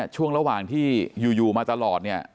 ช่วงระหว่างที่ยูมาตลอด